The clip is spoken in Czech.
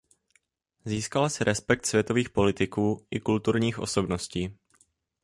Získala si respekt světových politiků i kulturních osobností.